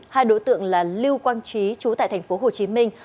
hai đối tượng là lưu quang trí chú tại thành phố hồ chí minh